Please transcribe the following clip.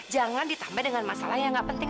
jangan ditambah dengan masalah yang gak penting